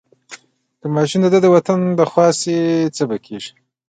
که ماشه د ده د وطن خوا شوه څه به کېږي.